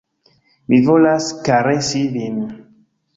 Mi volas karesi vin